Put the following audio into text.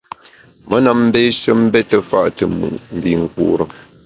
Me na mbéshe mbète fa’ te mùt mbinkure.